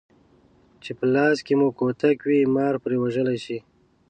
چې په لاس کې مو کوتک وي مار پرې وژلی شئ.